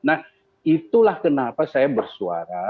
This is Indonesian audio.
nah itulah kenapa saya bersuara